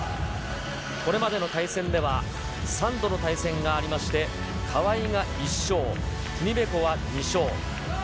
これまでの対戦では、３度の対戦がありまして、川井が１勝、ティニベコワ２勝。